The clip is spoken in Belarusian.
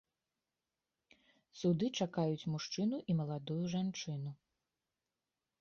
Суды чакаюць мужчыну і маладую жанчыну.